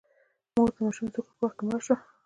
مور د ماشوم زوکړې په وخت کې مړه شوه.